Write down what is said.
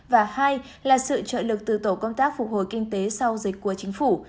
và hai là sự trợ lực từ tổ công tác phục hồi kinh tế sau dịch của chính phủ